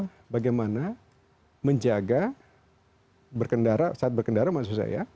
pembelajaran kepada kaum millennial bagaimana menjaga saat berkendara maksud saya